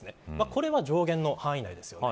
これは上限の範囲内です。